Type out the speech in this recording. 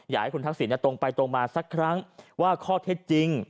อยากให้คุณทักษิณตรงไปตรงมาสักครั้งว่าข้อเท็จจริง